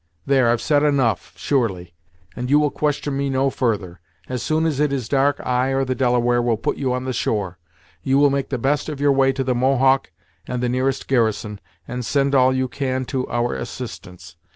There, I've said enough, surely, and you will question me no further. As soon as it is dark, I or the Delaware will put you on the shore. You will make the best of your way to the Mohawk, and the nearest garrison, and send all you can to our assistance.